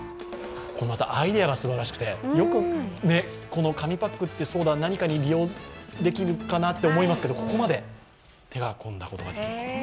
アイデアがすばらしくてよく紙パックって何かに利用できるかなと思いますけどここまで手が込んだことができると。